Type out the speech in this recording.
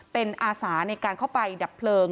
เป็นอาสาในการเข้าไปดับเพลิง